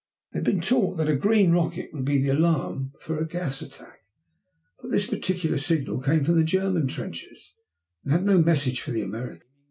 They had been taught that a green rocket would be the alarm for a gas attack, but this particular signal came from the German trenches and had no message for the Americans.